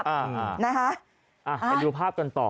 ไปดูภาพกันต่อ